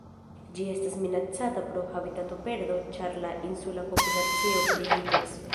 Ĝi estas minacata pro habitatoperdo ĉar la insula populacio pliiĝas.